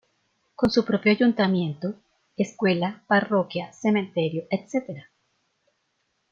Con su propio ayuntamiento, escuela, parroquia, cementerio, etc.